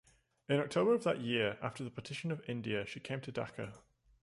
In October of that year after the partition of India she came to Dhaka.